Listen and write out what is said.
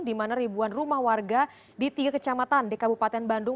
di mana ribuan rumah warga di tiga kecamatan di kabupaten bandung